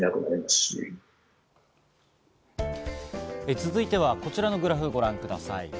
続いてはこちらのグラフをご覧ください。